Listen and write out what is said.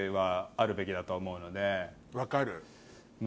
分かる。